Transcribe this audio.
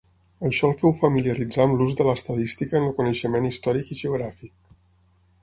Això el féu familiaritzar amb l'ús de l'estadística en el coneixement històric i geogràfic.